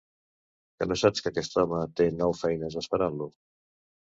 Que no saps que aquest home té nou feines esperant-lo?